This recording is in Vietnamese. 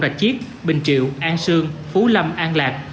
rạch chiết bình triệu an sương phú lâm an lạc